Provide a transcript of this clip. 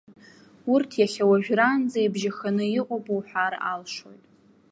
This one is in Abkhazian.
Урҭ иахьа уажәраанӡа ибжьаханы иҟоуп уҳәар алшоит.